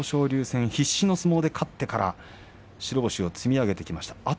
四日目、豊昇龍戦必死の相撲で勝ってから白星をさらに積み上げてきました。